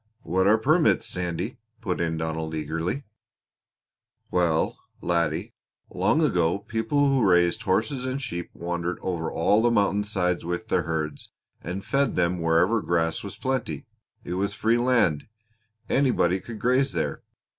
"What are permits, Sandy?" put in Donald eagerly. "Well, laddie, long ago people who raised horses and sheep wandered over all the mountainsides with their herds, and fed them wherever grass was plenty. It was free land. Anybody could graze there.